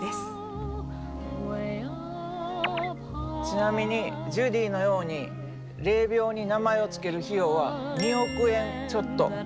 ちなみにジュディのように霊びょうに名前を付ける費用は２億円ちょっと。